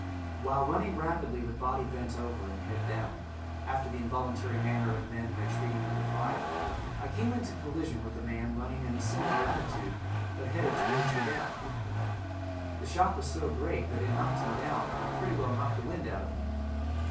While running rapidly with body bent over and head down, after the involuntary manner of men retreating under fire, I came into collision with a man running in a similar attitude, but headed towards the gap. The shock was so great that it knocked him down and pretty well knocked the wind out of me.